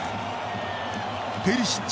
ペリシッチ。